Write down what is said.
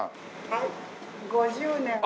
はい５０年です。